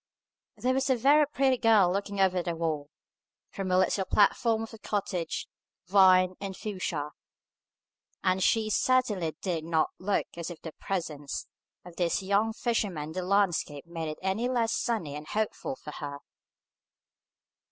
There was a very pretty girl looking over the wall, from a little platform of cottage, vine, and fuchsia; and she certainly dig not look as if the presence of this young fisherman in the landscape made it any the less sunny and hopeful for her.